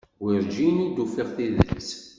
Werǧin d-ufin tidet.